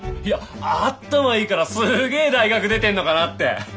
いやあったまいいからすげえ大学出てんのかなって。